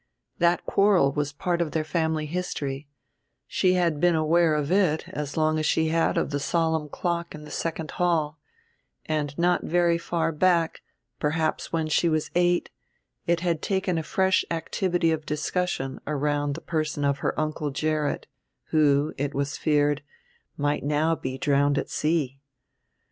That quarrel was part of their family history, she had been aware of it as long as she had of the solemn clock in the second hall; and not very far back, perhaps when she was eight, it had taken a fresh activity of discussion around the person of her Uncle Gerrit, who, it was feared, might now be drowned at sea.